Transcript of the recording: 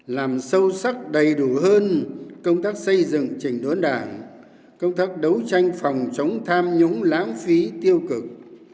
làm sâu sắc đầy đủ hơn công tác xây dựng trình đốn đảng công tác đấu tranh phòng chống tham nhũng lãng phí tiêu cực